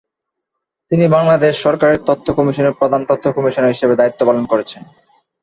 তিনি বাংলাদেশ সরকারের তথ্য কমিশনের প্রধান তথ্য কমিশনার হিসেবে দায়িত্ব পালন করেছেন।